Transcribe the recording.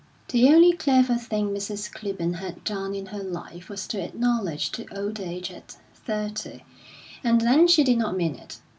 The only clever thing Mrs. Clibborn had done in her life was to acknowledge to old age at thirty, and then she did not mean it.